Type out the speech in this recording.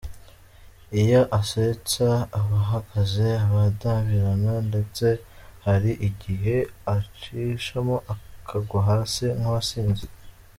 Iyo asetsa, aba ahagaze adandabirana ndetse hari igihe acishamo akagwa hasi nk’uwasinze.